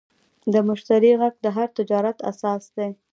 د مشتری غږ د هر تجارت اساس دی.